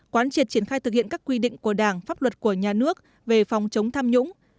quán triệt triển khai thực hiện các quy định của đảng pháp luật của nhà nước về phòng chống tham nhũng